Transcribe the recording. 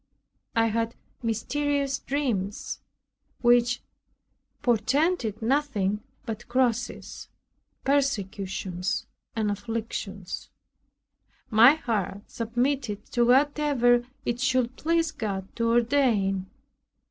I had mysterious dreams, which portended nothing but crosses, persecutions and afflictions. My heart submitted to whatever it should please God to ordain.